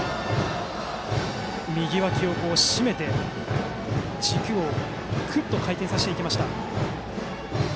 右わき横を締めて軸をくっと回転させていきました。